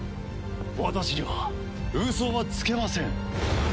私にはウソはつけません。